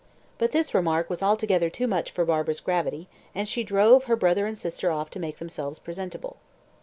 But this remark was altogether too much for Barbara's gravity, and she drove her brother and sister off to make themselves presentable.